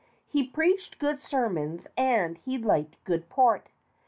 He preached good sermons and he liked good port.